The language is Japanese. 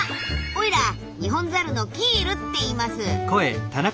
オイラニホンザルの「キール」っていいます。